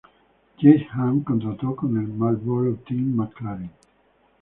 James Hunt contrató con el Marlboro Team McLaren.